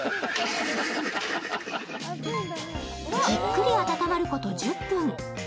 じっくり温まること１０分。